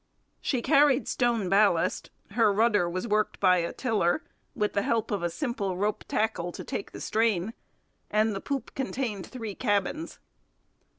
She carried stone ballast; her rudder was worked by a tiller, with the help of a simple rope tackle to take the strain; and the poop contained three cabins.